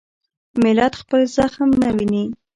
ملت خپل زخم نه ویني.